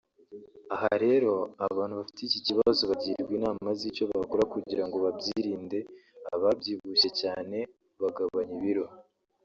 Aha rero abantu bafite iki kibazo bagirwa inama z’icyo bakora kugira ngo babyirinde ababyibushye cyane bagabanya ibiro